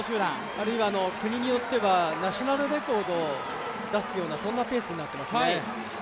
あるいは国によってはナショナルレコードを出すようなペースになっていますね。